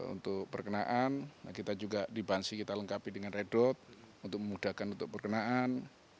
untuk perkenaan kita juga di bansai kita lengkapi dengan red dot untuk memudahkan untuk perkenaan